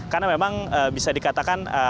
karena memang bisa dikatakan